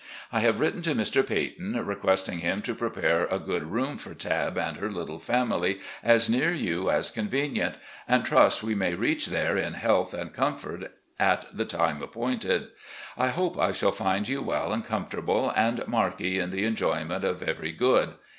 I have written to Mr. Peyton, requesting him to prepare a good room for Tabb and her little family as near you as con venient, and trust we may reach there in health and com fort at the time appointed. I hope I shall find you well and comfortable, and Markie in the enjo5mient of every good.